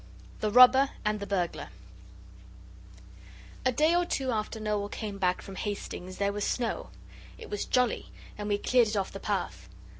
THE ROBBER AND THE BURGLAR A day or two after Noel came back from Hastings there was snow; it was jolly. And we cleared it off the path.